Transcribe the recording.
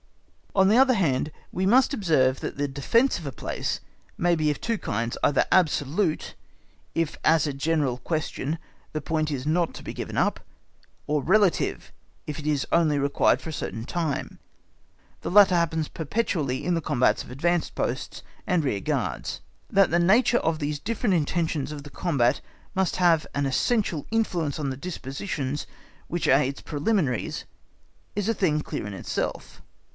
On the other hand we must observe that the defence of a place may be of two kinds, either absolute, if as a general question the point is not to be given up, or relative if it is only required for a certain time. The latter happens perpetually in the combats of advanced posts and rear guards. That the nature of these different intentions of a combat must have an essential influence on the dispositions which are its preliminaries, is a thing clear in itself.